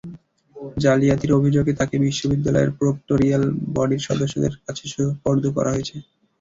জালিয়াতির অভিযোগে তাঁকে বিশ্ববিদ্যালয়ের প্রক্টরিয়াল বডির সদস্যদের কাছে সোপর্দ করা হয়।